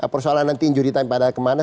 persoalan nanti injuritasi pada kemana